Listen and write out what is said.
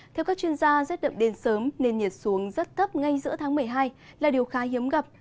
theo các chuyên gia rét đậm đến sớm nên nhiệt xuống rất thấp ngay giữa tháng một mươi hai là điều khá hiếm gặp